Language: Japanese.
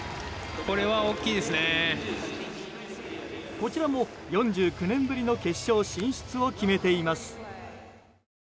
こちらも４９年ぶりの決勝進出を決めています。